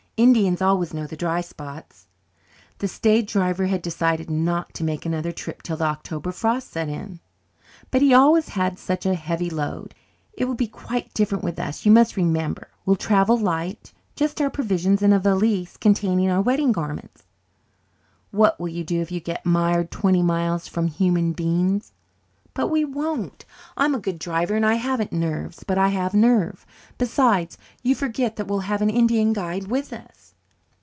Indians always know the dry spots." "The stage driver has decided not to make another trip till the October frosts set in." "But he always has such a heavy load. It will be quite different with us, you must remember. We'll travel light just our provisions and a valise containing our wedding garments." "What will you do if you get mired twenty miles from a human being?" "But we won't. I'm a good driver and I haven't nerves but I have nerve. Besides, you forget that we'll have an Indian guide with us."